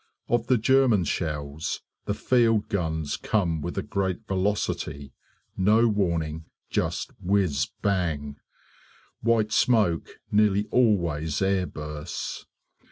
Of the German shells the field guns come with a great velocity no warning just whizz bang; white smoke, nearly always air bursts.